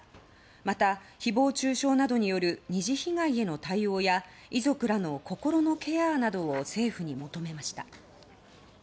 また、誹謗中傷などによる２次被害への対応や遺族らの心のケアなどを政府に求めました。